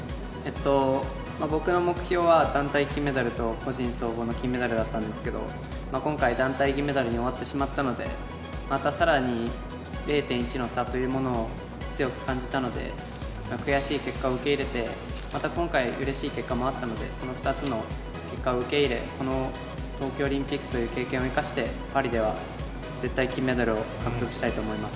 僕の目標は団体金メダルと個人総合の金メダルだったんですけど、今回、団体は銀メダルに終わってしまったので、またさらに０．１の差というものを強く感じたので、悔しい結果を受け入れて、また今回、うれしい結果もあったので、その２つの結果を受け入れ、この東京オリンピックという経験を生かして、パリでは絶対、金メダルを獲得したいと思います。